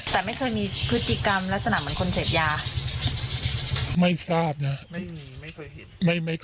แต่ไม่เคยมีพฤติกรรมลักษณะเหมือนคนเสพยาไม่ทราบนะ